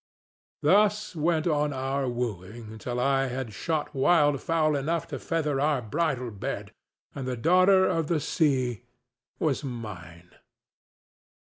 Thus went on our wooing, till I had shot wild fowl enough to feather our bridal bed, and the daughter of the sea was mine.